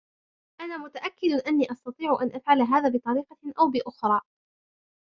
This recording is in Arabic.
أنا متأكد أني أستطيع أن أفعل هذا بطريقة أو بأخري.